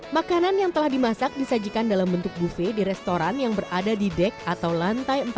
makanan yang telah dimasak disajikan dalam bentuk buffe di restoran yang berada di dek atau lantai empat